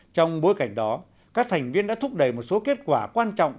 trong bối cảnh đó các thành viên đã thúc đẩy một số kết quả quan trọng